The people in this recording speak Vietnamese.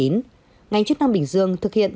ngành chức năng bình dương thực hiện